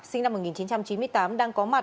sinh năm một nghìn chín trăm chín mươi tám đang có mặt